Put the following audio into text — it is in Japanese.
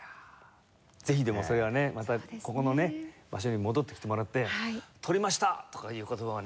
ぜひでもそれはねまたここのね場所に戻ってきてもらって「とりました！」とかいう言葉をね